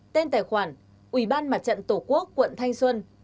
tên tài khoản ủy ban mặt trận tổ quốc quận thanh xuân